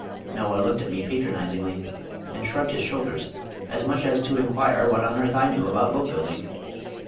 Noah looked at me patronizingly, and shrugged his shoulders as much as to inquire what on earth I knew about boat building.